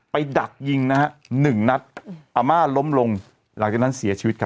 ดักยิงนะฮะหนึ่งนัดอาม่าล้มลงหลังจากนั้นเสียชีวิตครับ